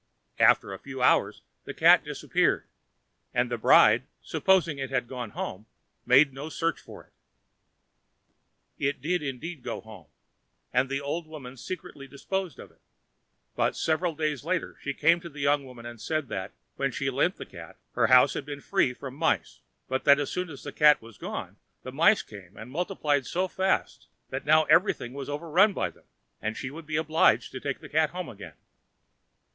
After a few hours the cat disappeared, and the bride, supposing it to have gone home, made no search for it. It did, indeed, go home, and the old woman secretly disposed of it; but several days later she came to the young woman and said that, when she lent the cat, her house had been free from mice, but that, as soon as the cat was gone, the mice came and multiplied so fast that now everything was overrun by them, and she would be obliged to take the cat home again.